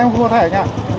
dạ em mua thẻ nhé